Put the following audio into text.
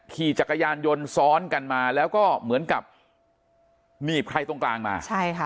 ขี่จักรยานยนต์ซ้อนกันมาแล้วก็เหมือนกับหนีบใครตรงกลางมาใช่ค่ะ